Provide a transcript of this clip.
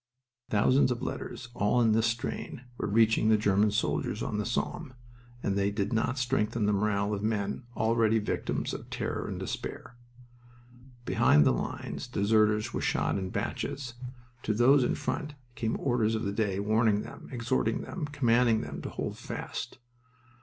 Thousands of letters, all in this strain, were reaching the German soldiers on the Somme, and they did not strengthen the morale of men already victims of terror and despair. Behind the lines deserters were shot in batches. To those in front came Orders of the Day warning them, exhorting them, commanding them to hold fast.